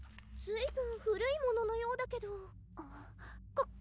ずいぶん古いもののようだけどあ